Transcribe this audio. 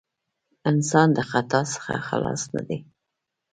انسان د خطاء څخه خلاص نه دی.